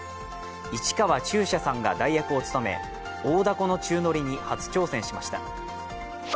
市川中車さんが代役を務め大凧の宙乗りに初挑戦しました。